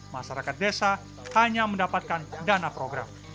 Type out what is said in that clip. masyarakat desa hanya mendapatkan dana program